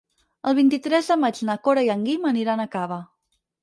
El vint-i-tres de maig na Cora i en Guim aniran a Cava.